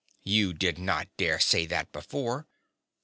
You did not dare say that before.